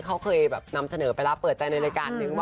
เขาเคยแบบนำเสนอไปแล้วเปิดใจในรายการนึงว่า